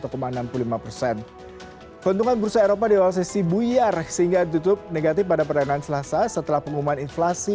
keuntungan bursa eropa di awal sesi buyar sehingga ditutup negatif pada perdagangan selasa setelah pengumuman inflasi